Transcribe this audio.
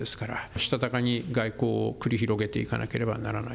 したたかに外交を繰り広げていかなければならない。